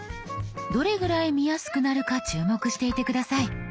どれぐらい見やすくなるか注目していて下さい。